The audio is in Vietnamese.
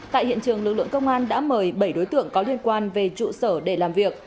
tại hiện trường lực lượng công an đã mời bảy đối tượng có liên quan về trụ sở để làm việc